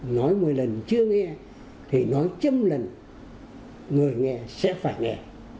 nói mươi lần chưa nghe thì nói chấm lần người nghe sẽ phải nghe